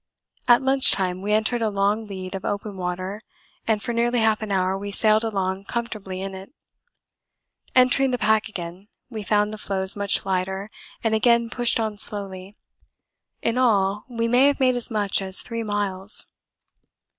At lunch time we entered a long lead of open water, and for nearly half an hour we sailed along comfortably in it. Entering the pack again, we found the floes much lighter and again pushed on slowly. In all we may have made as much as three miles.